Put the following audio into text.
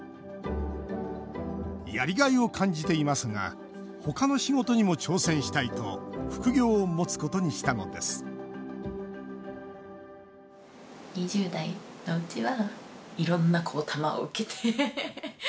やりがいを感じていますが他の仕事にも挑戦したいと副業をもつことにしたのですこんにちは。